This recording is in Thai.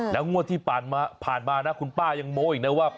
แล้วงวดที่ผ่านมานะคุณป้ายังโม้อีกนะว่า